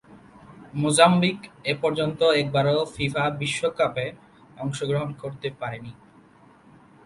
Mozambique এপর্যন্ত একবারও FIFA বিশ্বকাপে অংশগ্রহণ করতে পারেনি।